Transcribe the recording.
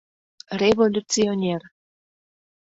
— Революционер...